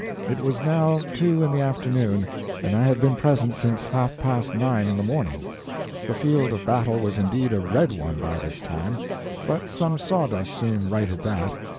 It was now two in the afternoon, and I had been present since half past nine in the morning. The field of battle was indeed a red one by this time; but some sawdust soon righted that.